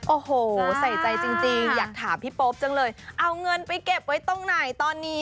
โอ้โหใส่ใจจริงอยากถามพี่โป๊ปจังเลยเอาเงินไปเก็บไว้ตรงไหนตอนนี้